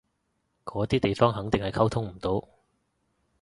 嗰啲地方肯定係溝通唔到